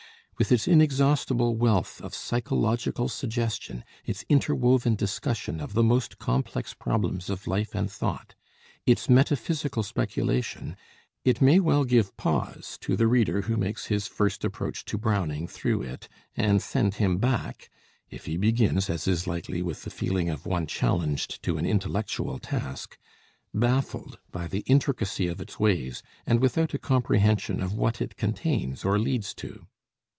With its inexhaustible wealth of psychological suggestion, its interwoven discussion of the most complex problems of life and thought, its metaphysical speculation, it may well give pause to the reader who makes his first approach to Browning through it, and send him back, if he begins, as is likely, with the feeling of one challenged to an intellectual task, baffled by the intricacy of its ways and without a comprehension of what it contains or leads to.